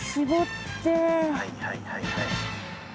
はいはいはいはい。